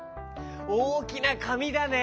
おおきなかみだね。